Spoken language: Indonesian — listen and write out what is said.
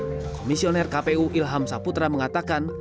komisioner kpu ilham saputra mengatakan